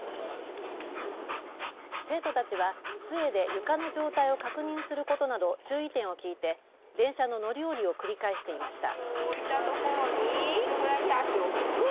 生徒たちはつえで床の状態を確認することなど注意点を聞いて電車の乗り降りを繰り返していました。